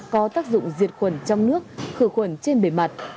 có tác dụng diệt khuẩn trong nước khử khuẩn trên bề mặt